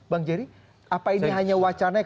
bang jerry apa ini hanya wacana